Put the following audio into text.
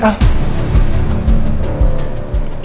kenapa cepat sekali ah